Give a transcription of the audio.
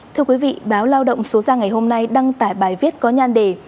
thưa quý vị báo lao động số ra ngày hôm nay đăng tải bài viết có nhan đề